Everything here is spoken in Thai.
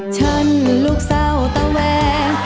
ฉันลูกสาวตาแหวง